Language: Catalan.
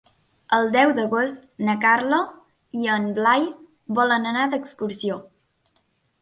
El deu d'agost na Carla i en Blai volen anar d'excursió.